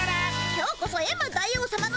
今日こそエンマ大王さまのシャクを。